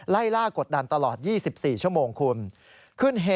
ไล่ล่ากดดันตลอด๒๔ชั่วโมงคุณ